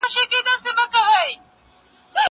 زه مېوې نه وچوم؟!